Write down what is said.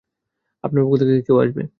আপনার পক্ষ থেকে কেউ আসবে?